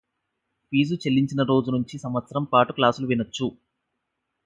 fee చెల్లించిన రోజు నుంచి సంవత్సరం పాటు క్లాసులు వినొచ్చు